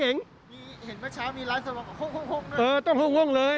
เห็นเมื่อเช้ามีร้านสว่างโฮ่งเลย